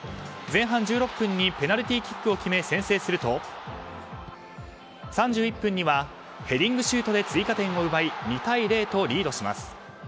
前半１６分にペナルティーキックを決め先制すると、３１分にはヘディングシュートで追加点を奪い２対０とリードします。